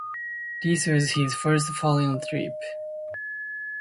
This was his first foreign trip.